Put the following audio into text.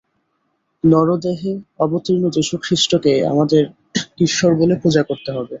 নরদেহে অবতীর্ণ যীশুখ্রীষ্টকেই আমাদের ঈশ্বর বলে পূজা করতে হবে।